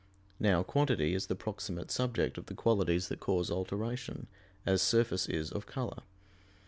Now quantity is the proximate subject of the qualities that cause alteration, as surface is of color.